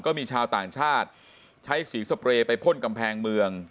ก็มีชาวต่างชาติใช้สีสเปรย์ไปพ่นกำแพงเมือง